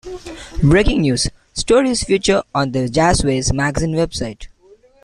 Breaking news stories feature on the "Jazzwise" magazine website.